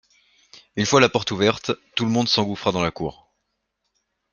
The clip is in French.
Une fois la porte ouverte, tout le monde s’engouffra dans la cour.